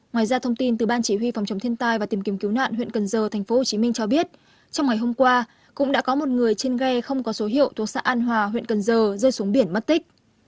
ngoài ra thông tin từ ban chỉ huy phòng chống thiên tai và tìm kiểm cứu nạn huyện cần giờ thành phố hồ chí minh cho biết trong ngày hôm qua cũng đã có một người trên ghe không có số hiệu thuộc xã an hòa huyện cần giờ rơi xuống biển mất tích